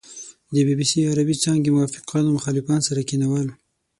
د بي بي سي عربې څانګې موافقان او مخالفان سره کېنول.